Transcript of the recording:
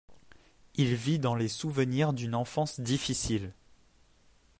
Il vit dans les souvenirs d'une enfance difficile.